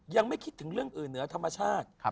ยังไม่คิดถึงเรื่องอื่นเหนือธรรมชาติ